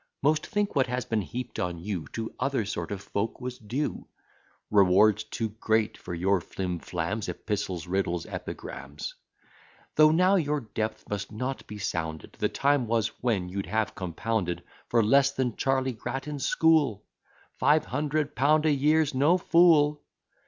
Most think what has been heap'd on you To other sort of folk was due: Rewards too great for your flim flams, Epistles, riddles, epigrams. Though now your depth must not be sounded, The time was, when you'd have compounded For less than Charley Grattan's school! Five hundred pound a year's no fool!